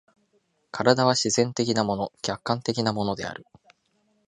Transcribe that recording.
身体は自然的なもの、客観的なものである。